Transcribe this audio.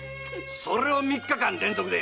それを三日間連続で。